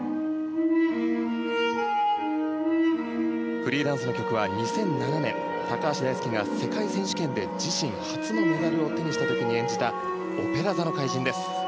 フリーダンスの曲は２００７年高橋大輔が世界選手権で自身初のメダルを手にした時に演じた「オペラ座の怪人」です。